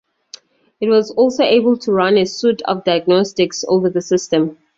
It was also able to run a suite of diagnostics over the system.